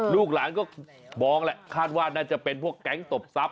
ลูกหลานก็มองแหละคาดว่าน่าจะเป็นพวกแก๊งตบทรัพย